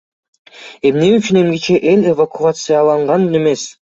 Эмне үчүн эмгиче эл эвакуацияланган эмес?